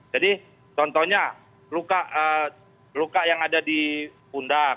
jadi contohnya luka luka yang ada di pundak